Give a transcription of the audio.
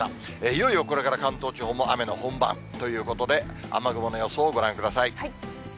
いよいよこれから、関東地方も雨の本番ということで、雨雲の予想をご覧ください。